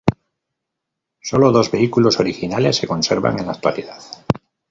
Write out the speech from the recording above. Solo dos vehículos originales se conservan en la actualidad.